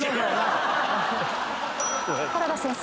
原田先生。